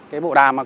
cái bộ đàm mà có